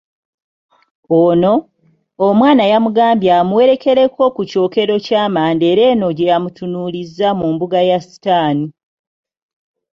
Ono, omwana yamugambye amuwerekereko ku kyokero ky'amanda era eno gyeyamutunuulizza mu mbuga ya sitaani.